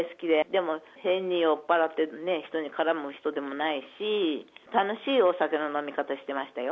でも、変に酔っ払ってね、人に絡む人でもないし、楽しいお酒の飲み方してましたよ。